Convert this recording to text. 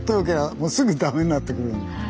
もうすぐダメになってくる。